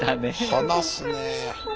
話すねえ。